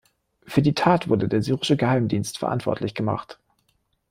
Für die Tat wurde der syrische Geheimdienst verantwortlich gemacht.